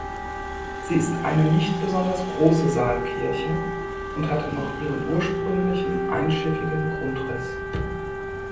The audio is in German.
Sie ist eine nicht besonders große Saalkirche und hat noch ihren ursprünglichen einschiffigen Grundriss.